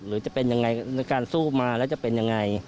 หรือจะเป็นอย่างไรการสู้มาแล้วจะเป็นอย่างไร